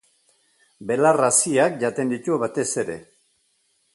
Belar haziak jaten ditu batez ere.